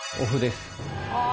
ああ！